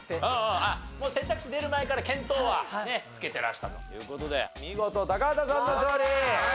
あっもう選択肢に出る前から見当はつけてらしたという事で見事高畑さんの勝利。